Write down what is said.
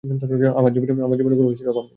আমার জীবনে কোন কিছুর অভাব নেই।